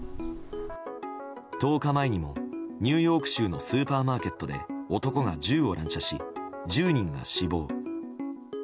１０日前にも、ニューヨーク州のスーパーマーケットで男が銃を乱射し１０人が死亡。